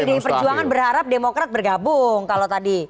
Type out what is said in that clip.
pdi perjuangan berharap demokrat bergabung kalau tadi